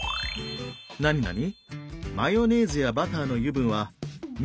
なになに？